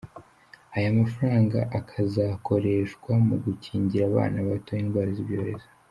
Aya mafaranga akazakoreshwa mu gukingira abana bato indwara z’ibyorezo.